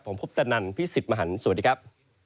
ผมคุปตะนันพี่สิทธิ์มหันฯสวัสดีครับ